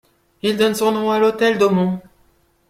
Il donne son nom à l'hôtel d'Aumont.